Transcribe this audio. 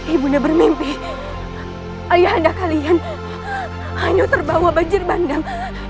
ibunya bermimpi ayah anda kalian hanya terbawa banjir bandang